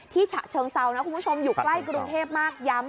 ฉะเชิงเซานะคุณผู้ชมอยู่ใกล้กรุงเทพมากย้ำ